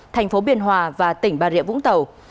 tp biên hòa và tỉnh bà rịa vũng tàu